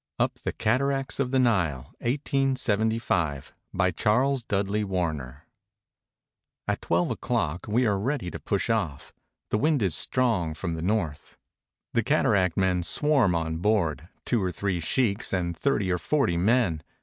] UP THE CATARACTS OF THE NILE BY CHARLES DUDLEY WARNER At twelve o'clock we are ready to push off. The wind is strong from the north. The cataract men swarm on board, two or three sheikhs and thirty or forty men.